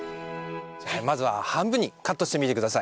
まずは半分にカットしてみてください。